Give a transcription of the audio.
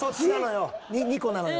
２個なのよ。